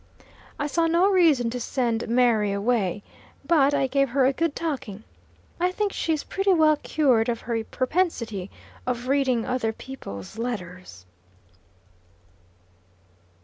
I saw no reason to send Mary away. But I gave her a "good talking." I think she is pretty well cured of her propensity of reading other people's letters.